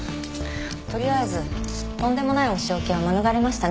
とりあえずとんでもないお仕置きは免れましたね。